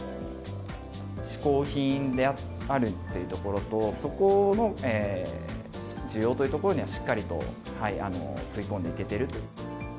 しこう品であるというところと、そこの需要というところにはしっかりと食い込んでいけている。